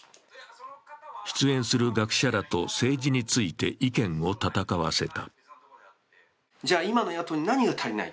出演する学者らと政治について意見を戦わせた。